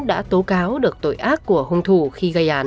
đã tố cáo được tội ác của hung thủ khi gây án